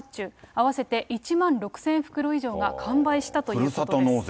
合わせて１万６０００袋以上が完売したということです。